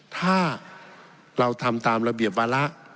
ถ้าเราทำตามระเบียบวาระ